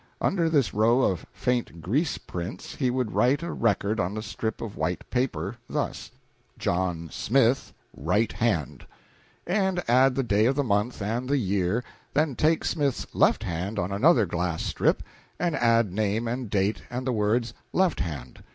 Under this row of faint grease prints he would write a record on the strip of white paper thus: John Smith, right hand and add the day of the month and the year, then take Smith's left hand on another glass strip, and add name and date and the words "left hand."